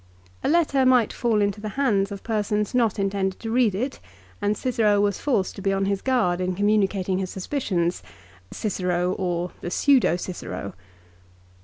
x A letter might fall into the hands of persons not intended to read it, and Cicero was forced to be on his guard in communi cating his suspicions, Cicero or the pseudo Cicero.